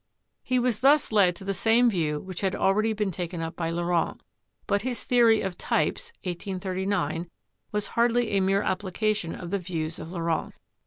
He was thus led to the same view which had already been taken up by Laurent, but his theory of types (1839) was hardly a mere application of the views of Laurent.